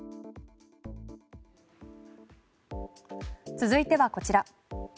続いてはこちら。